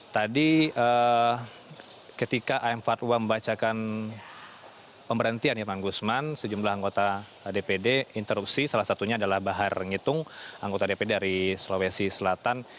tadi ketika am fatwa membacakan pemberhentian irman gusman sejumlah anggota dpd interupsi salah satunya adalah bahar ngitung anggota dpd dari sulawesi selatan